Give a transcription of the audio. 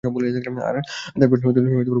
আর তাই, তোমার প্রশ্নের উত্তর বাকিই রয়ে গেলো।